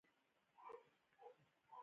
جانداد د ادب او اخلاقو نماینده دی.